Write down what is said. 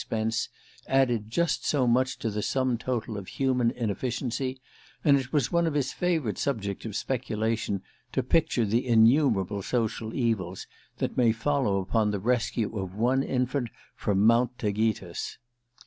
Spence added just so much to the sum total of human inefficiency, and it was one of his favourite subjects of speculation to picture the innumerable social evils that may follow upon the rescue of one infant from Mount Taygetus.